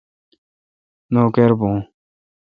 نوکر بھون۔